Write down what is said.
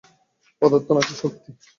পদার্থ না শক্তি?